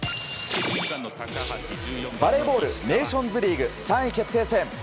バレーボールネーションズリーグ３位決定戦。